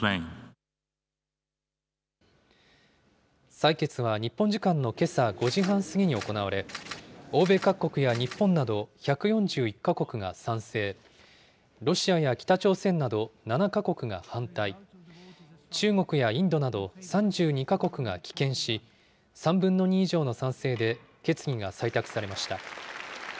採決は日本時間のけさ５時半過ぎに行われ、欧米各国や日本など１４１か国が賛成、ロシアや北朝鮮など７か国が反対、中国やインドなど３２か国が棄権し、３分の２以上の賛成で決議が採択されました。